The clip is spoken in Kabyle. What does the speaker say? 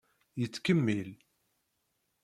Yettkemmil.